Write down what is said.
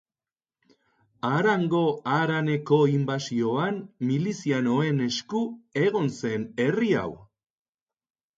Arango haraneko inbasioan milizianoen esku egon zen herri hau.